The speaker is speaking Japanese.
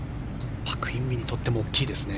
パク・インビにとっても大きいですね。